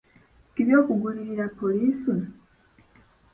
Kibi okugulirira poliisi?